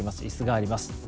椅子があります。